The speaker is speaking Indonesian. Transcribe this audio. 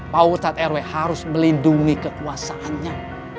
pausat eroi harus melindungi kekuasaannya